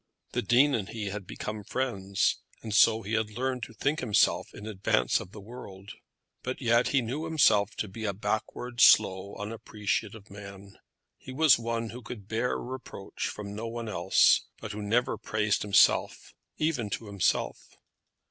The Dean and he had become friends, and so he had learned to think himself in advance of the world. But yet he knew himself to be a backward, slow, unappreciative man. He was one who could bear reproach from no one else, but who never praised himself even to himself.